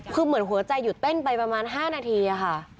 คือเหมือนหัวใจหยุดเต้นไปประมาณ๕นาทีค่ะ